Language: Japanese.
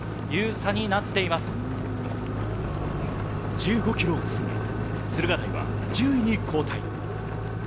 １５ｋｍを過ぎ、駿河台は１０位に後退。